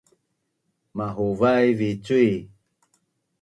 Mahuvaiv vi cui